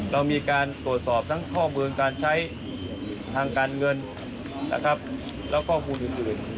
เรามีการตรวจสอบทั้งข้อมูลการใช้ทางการเงินนะครับและข้อมูลอื่น